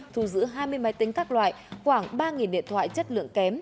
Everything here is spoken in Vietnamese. thu giữ hai mươi máy tính các loại khoảng ba điện thoại chất lượng kém